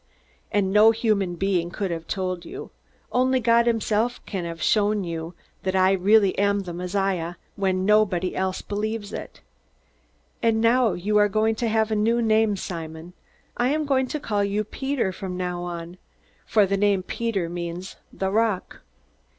And no human being could have told you! Only God himself can have shown you that I really am the Messiah, when nobody else believes it. And now you are going to have a new name, Simon. I am going to call you 'Peter' from now on, for the name 'Peter' means 'The Rock.'